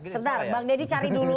sebentar bang deddy cari dulu